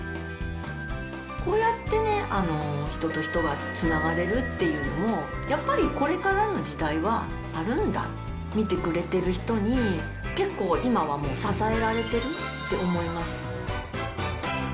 こうやってね、人と人がつながれるっていうのも、やっぱりこれからの時代はあるんだ、見てくれてる人に結構今はもう、支えられてるって思いますね。